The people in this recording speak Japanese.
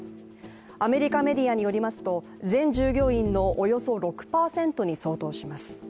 アメリカメディアによりますと全従業員のおよそ６％に相当します。